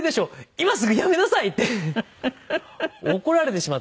「今すぐやめなさい！」って怒られてしまって。